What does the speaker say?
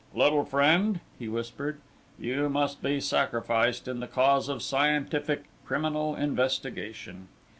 "Little friend," he whispered, "You must be sacrificed in the cause of scientific criminal investigation."